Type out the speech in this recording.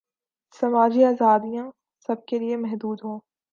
سماجی آزادیاں سب کیلئے محدود ہوں۔